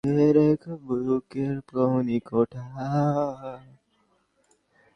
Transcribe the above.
তবে সময়ের পরিবর্তনে বাজারে বিভিন্ন প্রকারের এয়ার ফ্রেশনার কিনতে পাওয়া যায়।